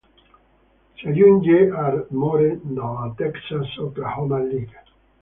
Si aggiunge Ardmore dalla Texas-Oklahoma League.